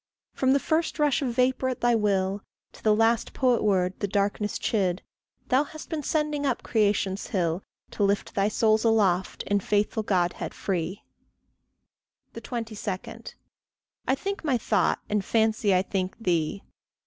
From the first rush of vapour at thy will, To the last poet word that darkness chid, Thou hast been sending up creation's hill, To lift thy souls aloft in faithful Godhead free. 22. I think my thought, and fancy I think thee.